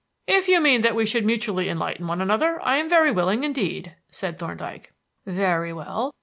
"If you mean that we should mutually enlighten one another, I am very willing indeed," said Thorndyke. "Very well.